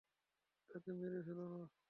তাকে মেরে ফেল না।